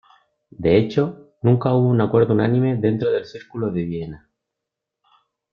De hecho, nunca hubo un acuerdo unánime dentro del Círculo de Viena.